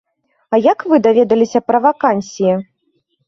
А як вы даведаліся пра вакансіі?